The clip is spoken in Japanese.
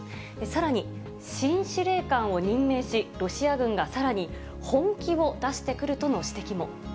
さらに、新司令官を任命し、ロシア軍がさらに本気を出してくるとの指摘も。